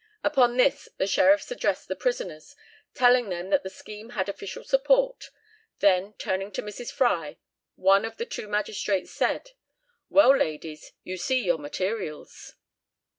Upon this the sheriffs addressed the prisoners, telling them that the scheme had official support; then turning to Mrs. Fry, one of the two magistrates said, "Well, ladies, you see your materials."